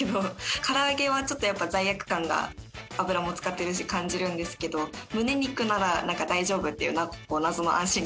から揚げはちょっとやっぱ罪悪感が油も使ってるし感じるんですけどむね肉なら大丈夫っていう謎の安心感が個人的にあって。